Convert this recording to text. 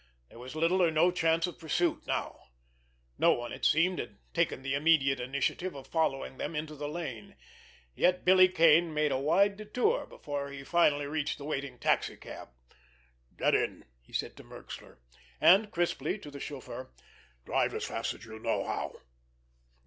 There was little or no chance of pursuit now; no one, it seemed, had taken the immediate initiative of following them into the lane, yet Billy Kane made a wide detour before he finally reached his waiting taxi cab. "Get in," he said to Merxler; and, crisply, to the chauffeur: "Drive as fast as you know how!